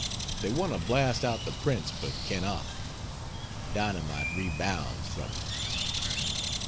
They want to blast out the prints but cannot. Dynamite rebounds from it.